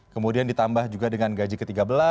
kemudian ditambah juga dengan gaji ke tiga belas